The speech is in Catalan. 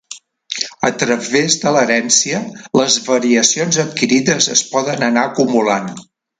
A través de l'herència, les variacions adquirides es poden anar acumulant.